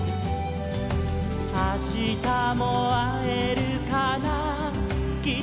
「あしたもあえるかなきっとあえる」